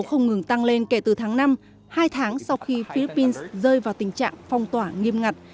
không ngừng tăng lên kể từ tháng năm hai tháng sau khi philippines rơi vào tình trạng phong tỏa nghiêm ngặt